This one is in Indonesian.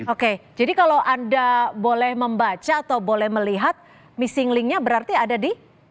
oke jadi kalau anda boleh membaca atau boleh melihat missing linknya berarti ada di